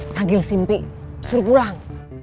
panggil simpi suruh pulang